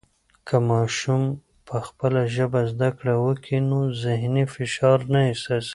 که ماشوم په خپله ژبه زده کړه و کي نو ذهني فشار نه احساسوي.